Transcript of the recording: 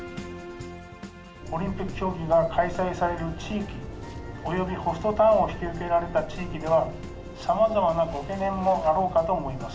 オリンピック競技が開催される地域およびホストタウンを引き受けられた地域では、さまざまなご懸念もあろうかと思います。